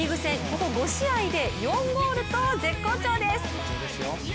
ここ５試合で４ゴールと絶好調です。